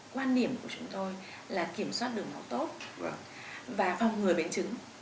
quan điểm của chúng tôi là kiểm soát đường nào tốt và phòng ngừa biến chứng